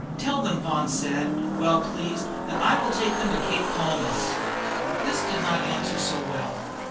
"Tell them," said Vaughan, well pleased, "that I will take them all to Cape Palmas." This did not answer so well.